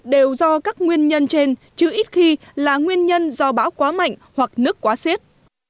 đều do các nguyên nhân trên chứ ít khi là nguyên nhân do bão quá mạnh hoặc nước quá xiết